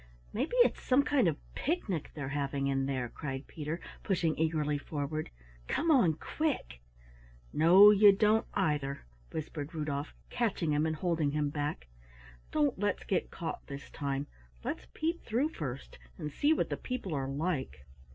"Maybe it's some kind of picnic they're having in there," cried Peter, pushing eagerly forward. "Come on quick!" "No, you don't, either," whispered Rudolf, catching him and holding him back. "Don't let's get caught this time, let's peep through first and see what the people are like."